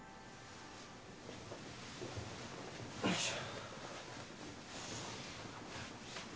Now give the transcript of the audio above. よいしょ。